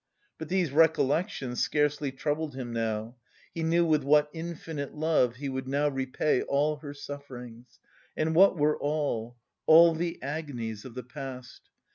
But these recollections scarcely troubled him now; he knew with what infinite love he would now repay all her sufferings. And what were all, all the agonies of the past!